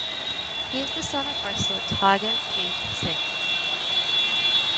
He is the son of wrestler Tiger Jeet Singh.